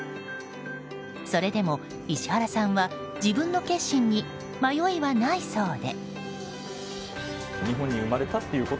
それでも石原さんは自分の決心に迷いはないそうで。